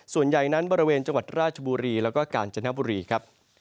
ส่วนใหญ่นั้นบริเวณจังหวัดราชบุรีแล้วก็กาญจนบุรีครับ